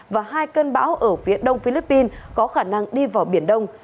và hai cơn bão ở phía đông philippines có khả năng đi vào biển đông